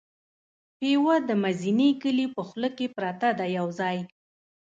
پېوه د مزینې کلي په خوله کې پرته ده یو ځای.